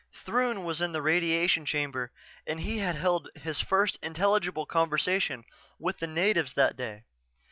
Throon was in the radiation chamber and he had held his first intelligible conversation with the natives that day.